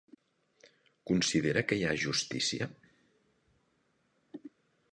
Considera que hi ha justícia?